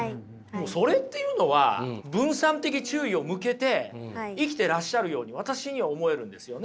それっていうのは分散的注意を向けて生きていらっしゃるように私には思えるんですよね。